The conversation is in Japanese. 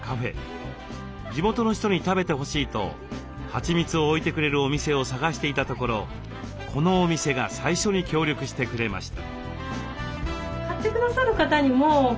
地元の人に食べてほしいとはちみつを置いてくれるお店を探していたところこのお店が最初に協力してくれました。